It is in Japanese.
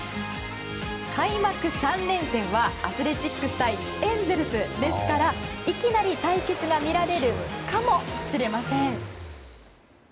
開幕３連戦は、アスレチックス対エンゼルスですからいきなり対決が見られるかもしれません。